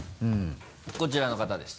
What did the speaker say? こちらの方です。